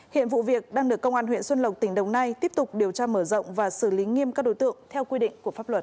hiện vụ việc đang được công an huyện xuân lộc tỉnh đồng nai tiếp tục điều tra mở rộng và xử lý nghiêm các đối tượng theo quy định của pháp luật